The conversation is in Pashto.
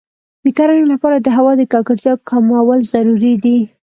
د کرنې لپاره د هوا د ککړتیا کمول ضروري دی.